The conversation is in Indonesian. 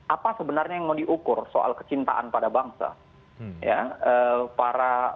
apa sebenarnya yang mau diukur soal kecintaan pada bangsa